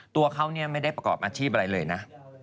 ตัวเขาไม่ได้ประกอบอาชีพอะไรเลยนะ